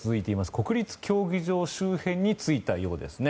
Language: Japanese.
国立競技場周辺に着いたようですね。